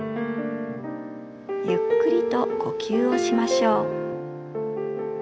ゆっくりと呼吸をしましょう。